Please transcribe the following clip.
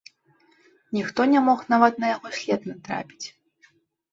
Ніхто не мог нават на яго след натрапіць.